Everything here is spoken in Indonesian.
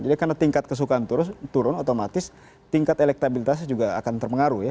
jadi karena tingkat kesukaan turun otomatis tingkat elektabilitas juga akan terpengaruh ya